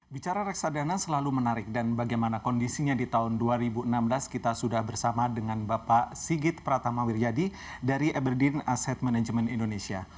bicara reksadana selalu menarik dan bagaimana kondisinya di tahun dua ribu enam belas kita sudah bersama dengan bapak sigit pratama wiryadi dari eberdin asset management indonesia